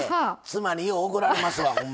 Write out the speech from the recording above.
妻によう怒られますわほんまに。